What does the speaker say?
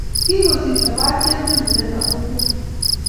Kikosirto patiem nenyun net ako ngwan